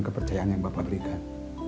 kepercayaan yang bapak berikan